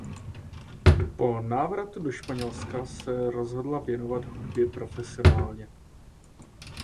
Po návratu do Španělska se rozhodla věnovat hudbě profesionálně.